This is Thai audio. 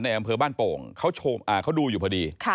ในบ้านโป่งเขาดูอยู่พอดี